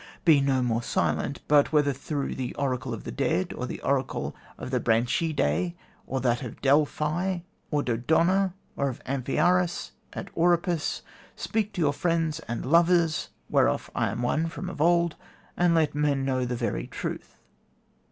Be no more silent; but, whether through the Oracle of the Dead, or the Oracle of Branchidae, or that in Delphi, or Dodona, or of Amphiaraus at Oropus, speak to your friends and lovers (whereof I am one from of old) and let men know the very truth.